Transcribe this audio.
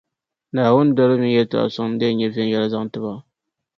Naawuni dolibu mini yεltɔɣa suŋ, n-di yɛn nyɛ viɛnyɛla n zaŋ ti ba.